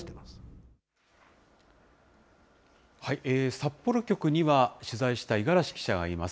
札幌局には取材した五十嵐記者がいます。